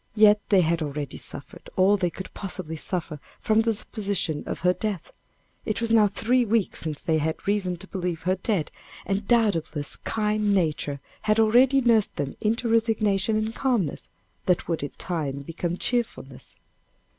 Yet they had already suffered all they could possibly suffer from the supposition of her death it was now three weeks since they had reason to believe her dead, and doubtless kind Nature had already nursed them into resignation and calmness, that would in time become cheerfulness.